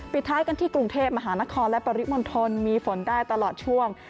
ท้ายกันที่กรุงเทพมหานครและปริมณฑลมีฝนได้ตลอดช่วง